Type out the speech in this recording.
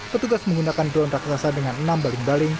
petugas menggunakan drone raksasa dengan enam baling baling